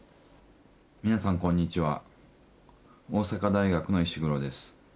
皆さんこんにちは大阪大学の石黒です。